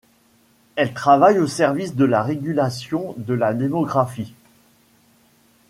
Elle travaille au service de la régulation de la démographie.